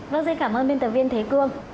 vâng xin cảm ơn biên tập viên thế cương